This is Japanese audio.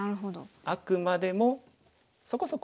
あくまでもそこそこ。